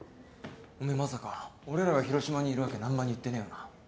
おめえまさか俺らが広島にいる訳難破に言ってねえよな？